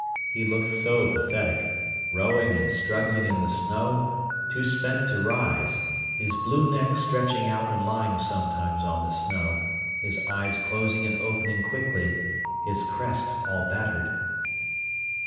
He looked so pathetic, rowing and struggling in the snow, too spent to rise, his blue neck stretching out and lying sometimes on the snow, his eyes closing and opening quickly, his crest all battered.